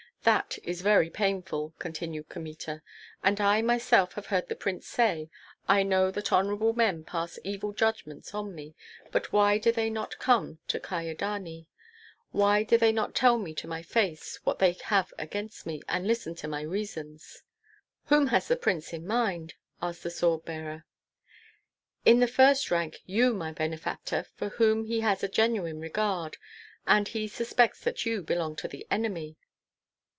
"That is very painful," continued Kmita, "and I myself have heard the prince say, 'I know that honorable men pass evil judgments on me; but why do they not come to Kyedani, why do they not tell me to my face what they have against me, and listen to my reasons?'" "Whom has the prince in mind?" asked the sword bearer. "In the first rank you, my benefactor, for whom he has a genuine regard, and he suspects that you belong to the enemy."